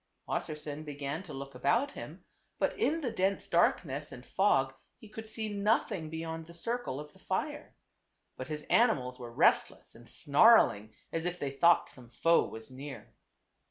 Wassersein began to look about him, but in the dense darkness and fog he could see nothing beyond the circle of the fire. But his animals were restless and snarling as if they thought some foe was near.